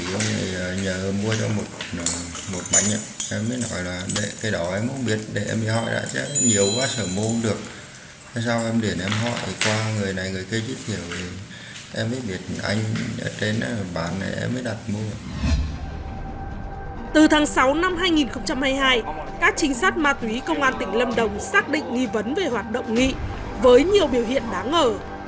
tháng sáu năm hai nghìn hai mươi hai các chính sát ma túy công an tỉnh lâm đồng xác định nghi vấn về hoạt động nghị với nhiều biểu hiện đáng ngờ